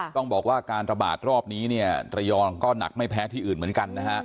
ต้องบอกว่าการระบาดรอบนี้เนี่ยระยองก็หนักไม่แพ้ที่อื่นเหมือนกันนะฮะ